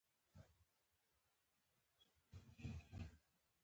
لومړی مهربانه اوسېدل دوهم مهربانه اوسېدل.